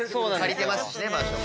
借りてますしね場所。